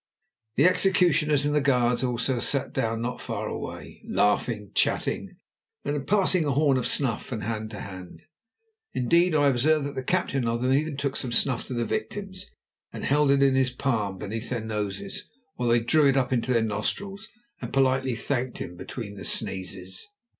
The executioners and the guards also sat down not far away, laughing, chatting, and passing a horn of snuff from hand to hand. Indeed, I observed that the captain of them even took some snuff to the victims, and held it in his palm beneath their noses while they drew it up their nostrils and politely thanked him between the sneezes.